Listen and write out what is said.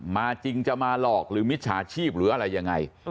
จริงจะมาหลอกหรือมิจฉาชีพหรืออะไรยังไง